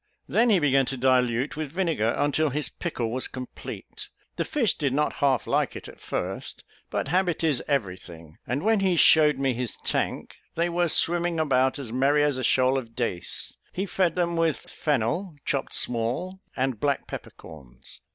Then he began to dilute with vinegar, until his pickle was complete. The fish did not half like it at first; but habit is every thing, and when he shewed me his tank, they were swimming about as merry as a shoal of dace; he fed them with fennel chopped small, and black pepper corns.